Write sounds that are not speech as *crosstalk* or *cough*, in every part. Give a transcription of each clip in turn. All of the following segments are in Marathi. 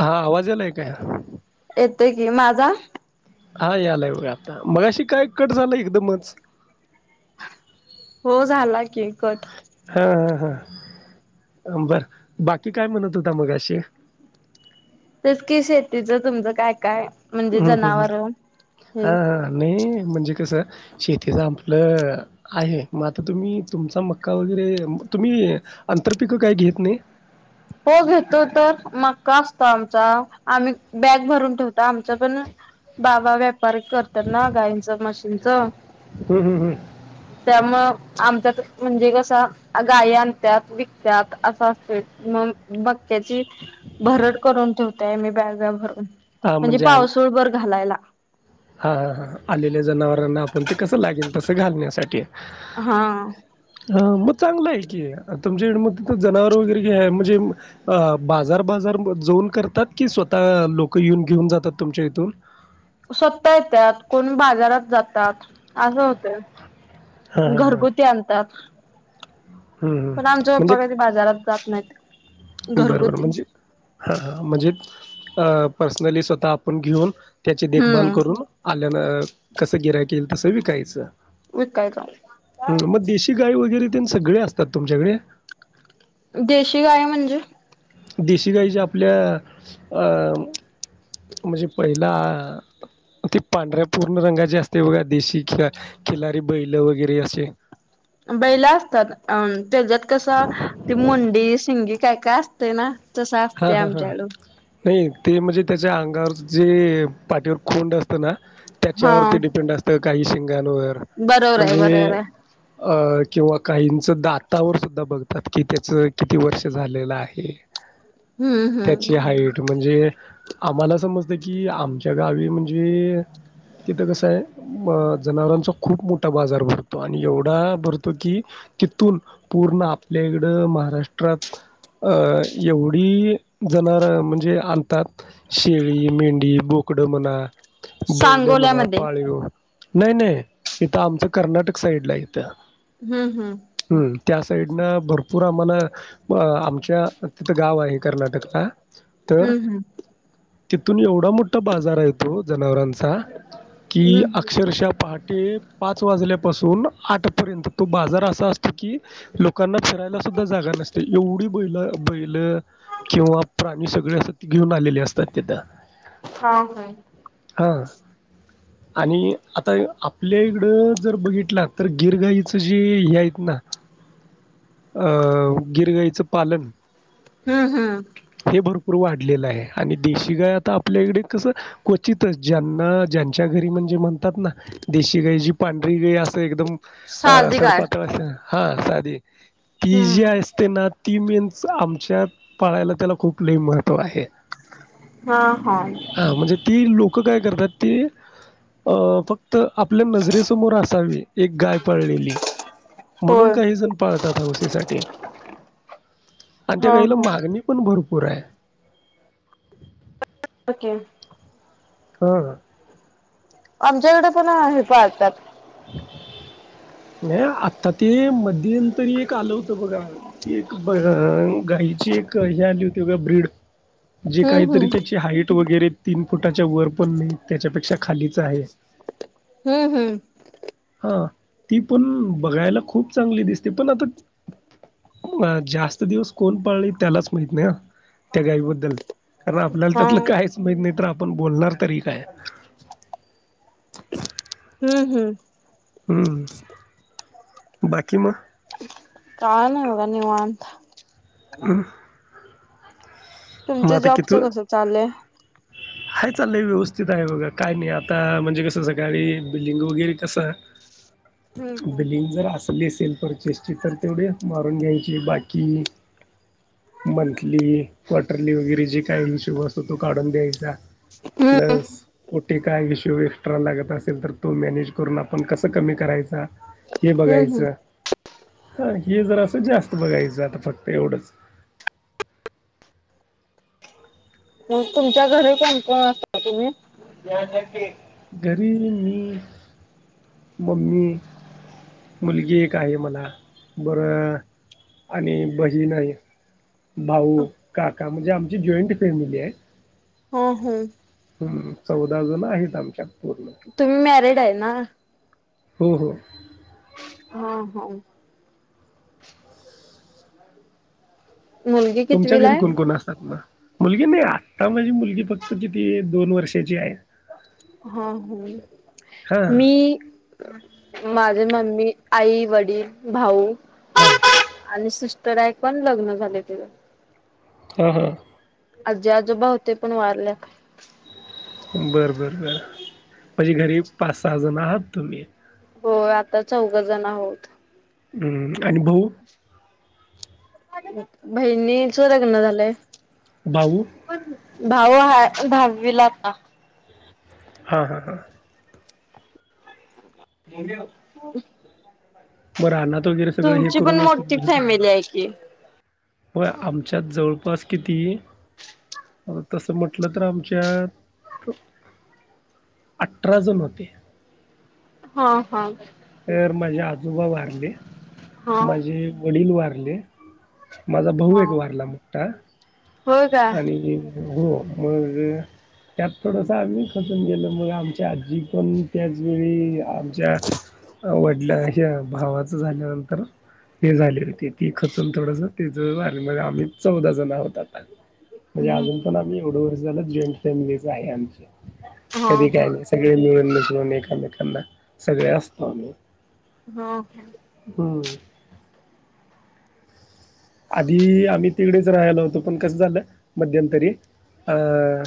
हा आवाज यायला काय जा आवाज यायला लागला व्हय लागलाय आता मगाशी काय कट झाला एकदमच. हो झाला की कट हा हा बर बाकी काय म्हणत होता मगाशी तस कि शेतीच तुमचं काय काय म्हणजे हम्म हम्म जनावर हे हा हा नाही म्हणजे कसं शेतीचं आपलं आहे मग आता तुम्ही तुमचा मक्का वगैरे तुम्ही अंतरपिक काय घेत नाही. हो घेतो तर मक्का असतो आमचा आम्ही बॅग भरून ठेवतो आमच पण बाबा व्यापारी करतात ना गायंचं म्हशींच हम्म हम्म हम्म त्यामुळ आमच्यात म्हणजे कस गाय आणतात विकतात असं असतो मग बक्याची भरट करून ठेवताय मी बॅग भरून म्हणजे पावसळबर घालायला हा हा हा आलेल्या जनावरांना आपण ते कसं लागेल तस घालण्यासाठी हा हा मग चांगलंय की तुमच्या इड म जनावर वगैरे म्हणजे अ बाजार बाजार मध्ये जाऊन करतात. कि स्वतः लोक येऊन घेऊन जातात तुमच्या इथून स्वता येतात कोण बाजारात जातात असं होत. हां, हां, हां. घरगुती आणतात. हं, हं. पण आमचे म्हणजे पप्पा कधी बाजारात जात नाही. बरोबर म्हणजे हा म्हणजे पर्सनली स्वतः घेऊन त्याची देखभाल हम्म करून आलेलं कसं गिऱ्हाईक येईल तसं विकायचं विकाय काले हं, मग देशी गाई वगैरे सगळे असतात तुच्याकडे देशी गाय म्हणजे देशी गाईच्या आपल्या अं म्हणजे पहिला ते पांढऱ्या पूर्ण रंगाचे असते बघा देशी खि खिलारी बैल वगैरे असे बैला असतात अ त्याच्यात कसं ती मुंडी शिंगी काय काय असते ना तसं हा असतं हा हा आमच्याकडे नाही ते म्हणजे त्याच्या अंगावर जे पाठीवर खोंड असतं ना हा त्याच्यावरती डिपेंड असतं काही सिंगांवर बरोबर आहे म्हणजे बरोबर आहे अ किंवा काहींच दातावर सुद्धा बघ कि त्याच किती वर्ष झालेलं आहे हम्म त्याची हम्म हाईट म्हणजे आम्हाला समजत की आमच्या गावी म्हणजे तिथं कसं आहे अ जनावरांचा खूप मोठा बाजार भरतो आणि एवढा भरतो की तिथून पूर्ण आपल्या इकडं महाराष्ट्रात अ एवढ जनावर आणतात शेळी मेंढ बोकडं म्हणा. बैलं म्हणा सांगोल्यामध्ये पाळीग नाही नाही इथं आमचं कर्नाटक साईड ला आहे *unintelligible* हम्म हम्म. हं. त्या साईडनं भरपूर आम्हाला आमच्या तिथं गाव आहे कर्नाटकला तर हम्म हम्म. तिथून एवढा मोठा बाजार आहे तो जनावरांचा कि हम्म हम्म अक्षरशः पहाटे पाच वाजल्या पासून आठपर्यंत तो बाजार असा असतो की लोकांना फिरायला सुद्धा जागा नसते एवढी बैल बैल किंवा प्राणी सगळे असत ते घेऊन आलेले असतात त्याथ होा हो. हा. आणि आता आपल्या इकडं जर बघितला तर गिरगाईच जे हे आहेत ना. अं गिरगाईचं पालन हम्म हम्म. हे भरपूर वाढलेलं आहे आणि देशी गाय आता आपल्या इकडे कस क्वचितच ज्यांना ज्यांच्या घरी म्हणज े म्हणतात ना देशी गा जी पांढरी गाई असं एकदम. अ साधी गाय सडपात हा साधी ती जे हम्म असते ना. ती मेन्स आमच्या पाळायला त्याला खूप लि महत्त्व आहे. हा हा हा म्हणजे ती लोक लोक काय करतात तेी फक्त आपल्या नजरेसमोर असावी. एक गाय पळलेली म्हणून होय. काही जण पाळतात हौसे साठी आणि त्या हा गईला हा मागणी पण भरपूर आहे. पके *unintelligible* हा. आमच्याकडे पण हे पाहतात. *inaudible* नाही आता ते मध्यंतरी एक आलं होतं बघा ते एक हिची एक हे आली होती बघा ब्रीड जे हम्म काहीतरी हम्म त्याची हाईट वगैरे तीन फुटाच्या वर पण नाही त्याच्यापेक्षा खालीच आहे. हम्म हम्म. ह ती पण बघायला खूप चांगली दिसते पण आता अ जास्त दिवस कोण पाळले त्यालाच माहित नाही त्या गाईबद्दल आपल्याला हा. त्यातलं काहीच माहीत नाही तर आपण बोलणार तरी काय? हम्म हम्म. बाकी म काण होग निवा अंत. हम. तुमच्या जॉबच कस चालय. हय चाललंय व्यवस्थित आहे बघा काय नाही आता म्हणजे कसं सकाळी बिल्डिंग वगैरे कसं. हम्म हम्म. बिलिंग जर असली असेल परचेसची तर तेवढे मारून घ्यायचे बाकी मंथली क्वार्टरली वगैरे जे काही इश्यू असतो तो काढून द्यायचा. हम्म ब कुठ? काय विषय एक्स्ट्रा लागत असेल तर तो मॅनेज करून आपण कसं कमी करायचा. हे हम्म हम्म. बघायचं हा हे जर असं जास्त बघायचं आता फक्त एवढंच. मग तुमच्या घरी कोणकण असता तुम्ही घरी मी मम्मी मुलगी एक आहे मला बरं. आणि बहीण नाही. भाऊ काका म्हणजे आमची जॉईंट फॅमिली आहे हा हम हम् चौदा जण आहेत आमच्या तुम्ही एरड आहे ना होम हम हा होा मुलगी तुमच्या कितवीला घरी आहे? कोणकोण असतात ना *inaudible* मुलगी नाही आत्ता माझी मुलगी फक्त किती दोन वर्षाची आहे हा ह हां मी माझे मम्मी आई वडील भाऊ हां आणि सस् तर ऐ पण लग्न झाले तिला हम हम *inaudible* आजी आजोबा होते पण वारल्या बरं बर बर म्हझे घरी पाच सहा जण आहात तुम्ही हो आता चौघ जण आहोत हम्म अनुभव बहिणीच लग्न झालंय भाऊऊ भाऊ ह भावीला आता हा हा हा म्या मग राहनात वगैरे सगळ हे करूनच मोठी तुम्ही हे सगळं फॅमिली आहे की. होय आमच्यात जवळपास किती आ तसं म्हटलं तर आमच्या अठरा जण होते हा हा तर माझे आजोबा वारले हा माझे वडील वारले. माझा भाऊ हा एक वारला मुठा होय का? आणि हो मग त्यात थोडस आम्ही खचून गेलो मग आमच्या आजी पण त्याचवेेळी आमच्या वडला ह्य भावाचं झाल्यानंतर हे झाली होती ती खचून थोडस त्याच *unintelligible* आम्ही चौदा जण आहोत आता. *inaudible* म्हणजे हम्म अजून पण हम्म आम्ही एवढं वर्ष झालं *inaudible* जॉईंट फॅमिलीच आहे आमची. हा कधी हा काय नाही सगळे मिळून मिसळून एकमेकांना सगळे असतो आम्ही. हा. हम्म. आधी आम्ही तिकडेच रहायला होतो पण कसं झालं मध्यमंतरी अं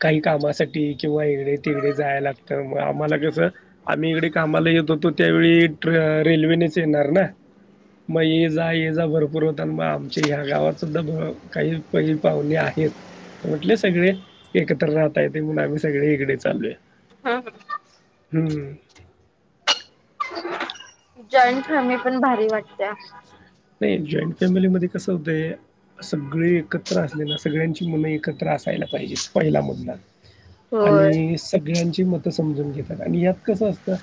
काही कामासाठी किंवा इकडे तिकडे जायला लागतात मग आम्हाला कसं आम्ही इकडे कामाला येत होतो त्यावेळी ट्रे रेल्वेनेच येणार ना. मग ये जा ये जा भरपूर होता आणि मग आमच्या ह्या गावात सुद्धा भा काही पहि पाहुणे आहेत. म्हटले सगळे एकत्र राहता येत म्हणून आम्ही सगळे इकडे चाल्लोय. हा ह. हम्म. जॉईंट फॅमिली पण भारी वाटत्या. नाही जॉईंट फॅमिलीमध्ये कसं होतंय सगळे एकत्र असले ना सगळ्यांची मन एकत्र असायला पाहिजेत पहिला मुद्धा होय. आणि सगळ्यांची मतं समजून घेतात आणि यात कसं असतं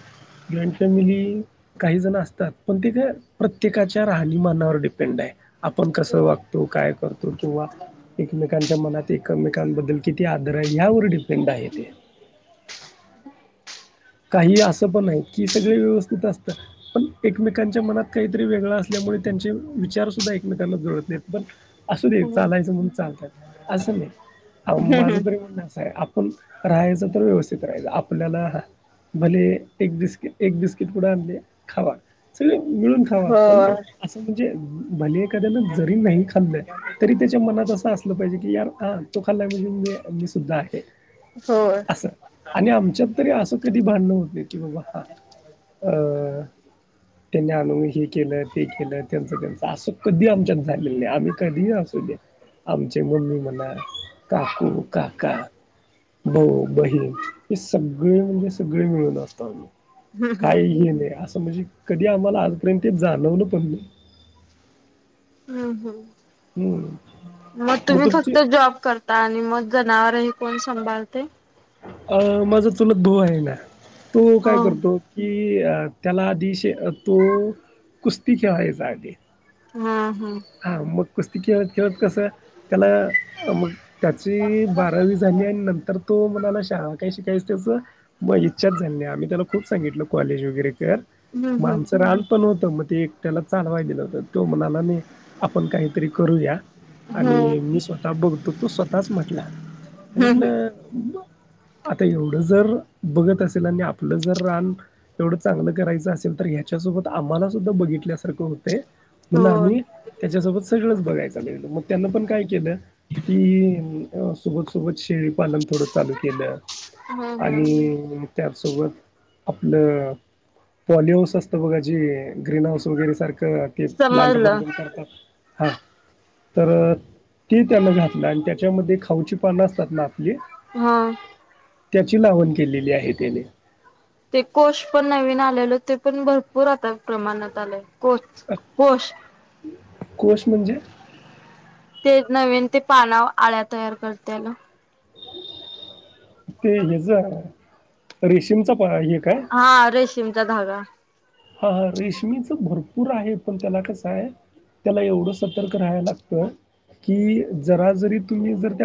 जॉईंट फॅमिली काही जण असतात पण ते का प्रत्येकाच्या *inaudible* राहणीमानावर डिपेंड आहे आपण कसं वागतो काय करतो किंवा *inaudible* एकमेकांच्या मनात एकमेकांबद्दल किती आदर आहे यावर डिपेंड आहे ते. *inaudible* काही असं पण आहे की सगळे व्यवस्थित असत पण एकमेकांच्या मनात काहीतरी वेगळ असल्या मुळे त्यांचे विचार सुद्धा एकमेकांना जुळत नाहिते पण असुदे हम्म चालायच म्हणून चालतात अस आओ माझ हम्म तरी म्हणणं असं आहे आपण राहायचं तर व्यवस्थित राहायचं आपल्याला *inaudible* भले एक बिस्किट एक बिस्किट पुढं आणले खावा सगळे मिळून खावा पण होय असं म्हणजे भले एखाद्यान जरी नाही खाल्लय तरी त्याच्या मनात असं असलं पाहिजे की यार ह तो खाल्ला म्हणजे जे मी सुद्धा आहे होय अस आणि आमच्यात तरी अस कधी भांडणं होत नाही की बाबा हा अ त्यांनी आणनून हे केलं ते केलं त्यांच त्यांच अस कधी आमच्यात झालेलं नाही आम्ही कधीही अस आमचे मम्मी म्हणा काकू काका भाऊ बहीण हे सगळे म्हणजे सगळे मिळून असतो आम्ही हम्म हम्म काही हे नाही अस म्हणजे कधी आम्हाला आजपर्यंत जाणवलं पण नाई. हम्म हम्म. मु मग तुम्ही फक्त जॉब करता आणि मग जनावरही कोण सांभाळतय? अं माझा चुलत भाऊ आहे ना तो काय हो. करतो कि अ त्याला आधीश तो कुस्ती खेळायचा आ *inaudible* धी. हा हा. *inaudible* कुस्ती खेळत खेळत कसं त्याला मग त्याची बारावी झाली आणि नंतर तो मग मला काय शिकायचं त्याच म इच्छाच झाली आम्ही त्याला खूप सांगितल कॉलेज वगैरे कर हम्म म हम्म आमचं रान पण होत मग ते एकट्याला चालवाय दिलं होत तो म्हणाला नाही आपण काहीतरी करूया हो आणि मी हम्म स्वतः बघतो तो स्वतःच म्हटला म हम्म म्हटलं आता एवढं जर बघत असेल आणि आपलं जर रान एवढं चांगलं करायचं असेल तर ह्याच्यासोबत आम्हाला सुद्धा बघितल्यासारखं होते म्हणून होय. आम्ही त्याच्यासोबत सगळंच बघायचं लागलो मग त्यांना पण काय केलं की सोबत सोबत शेळीपालन थोडं चालूत केलं हम्म हम्म आणि त्याचसोबत आपलं पॉलि हाऊस असतं बघा जी ग्रीन हाऊस वगैरे सारखं ते प्लांट समजलं बांधून करतात हां तर ते त्याना घातलं आणि त्याच्यामध्ये खाऊची पानं असतात ना आपली हा त्याची लावण केलेली आहे त्याने ते कोष पण नवीन आलेल ते पण भरपूर आता प्रमाणात आलंय कोश कोश म्हणजे ते नवीन ते पाना आळ्या तयार करते ना ते ह्याच रेशीमचा हे काय हा रेशीमचा धागा. हा हा रेशमीच भरपूर पूर आहे पण त्याला कस आहे त्याला एवढं सतर्क राहाव लागतय कि जरा जरी तुम्ही जर त्या